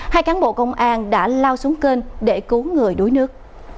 hai cán bộ công an đã lao xuống kênh để cứu người đuối nước